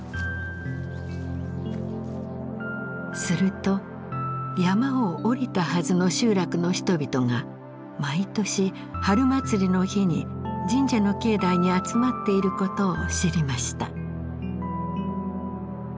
すると山を下りたはずの集落の人々が毎年春祭りの日に神社の境内に集まっていることを知りました。